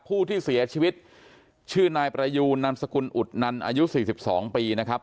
ผู้ที่เสียชีวิตชื่อนายประยูนนามสกุลอุดนันอายุ๔๒ปีนะครับ